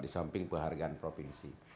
di samping perhargaan provinsi